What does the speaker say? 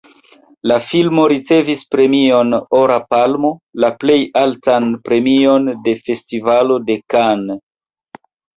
La filmo ricevis premion Ora Palmo, la plej altan premion de Festivalo de Cannes.